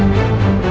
nah kaya luar biasa